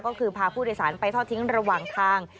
ก็คือพาผู้โดยสารไปทอดทิ้งระหว่างทาง